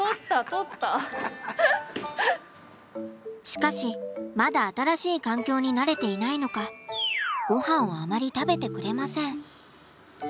しかしまだ新しい環境に慣れていないのかごはんをあまり食べてくれません。